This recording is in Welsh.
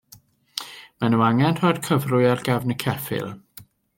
Maen nhw angen rhoi'r cyfrwy ar gefn y ceffyl.